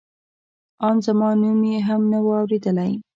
ان زما نوم یې هم نه و اورېدلی.